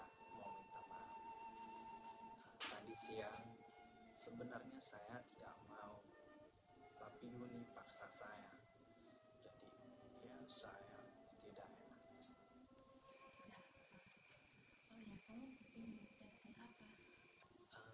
mau minta maaf tadi siang sebenarnya saya tidak mau tapi menipu saya jadi ya saya tidak